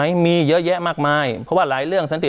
มีเยอะแยะมากมายเพราะว่าหลายเรื่องสันติ